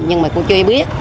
nhưng mà cô chưa biết